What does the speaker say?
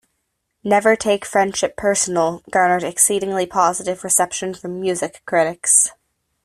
"Never Take Friendship Personal" garnered exceedingly positive reception from Music critics.